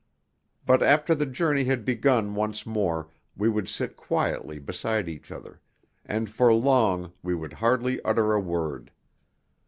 But after the journey had begun once more we would sit quietly beside each other, and for long we would hardly utter a word.